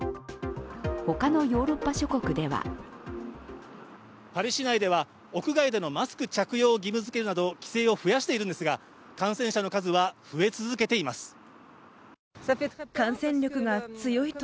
他のヨーロッパ諸国ではパリ市内では、屋外でのマスク着用を義務づけるなど規制を増やしているんですが感染者の数は増え続けています。